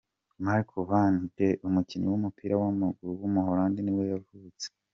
Marco van Ginkel, umukinnyi w’umupira w’amaguru w’umuholandi nibwo yavutse.